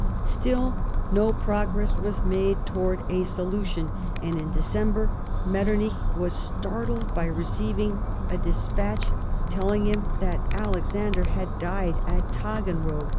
Still, no progress was made towards a solution, and in December, Metternich was startled by receiving a despatch telling him that Alexander had died at Taganrog.